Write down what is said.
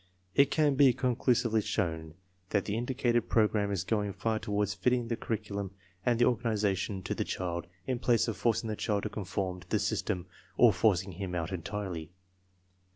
It can be conclu sively shown that the indicated program is going far toward fitting the curriculum and the organization to the child in place of forcing the child to conform to the system or forcing him out entirely.